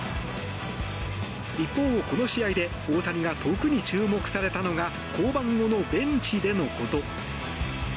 一方、この試合で大谷が特に注目されたのが降板後のベンチでのこと。